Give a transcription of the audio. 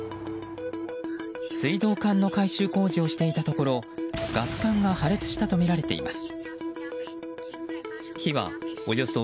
水道管の改修工事をしていたところガス管が破裂したとみられています。